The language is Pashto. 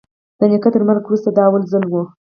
د نيکه تر مرگ وروسته دا اول ځل و.